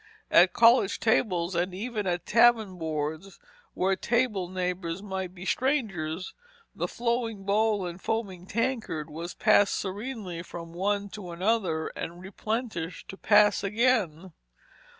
At college tables, and even at tavern boards, where table neighbors might be strangers, the flowing bowl and foaming tankard was passed serenely from one to another, and replenished to pass again.